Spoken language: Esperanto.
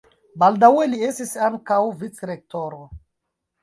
Baldaŭe li estis ankaŭ vicrektoro.